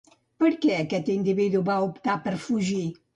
Per què aquest individu va optar per fugir?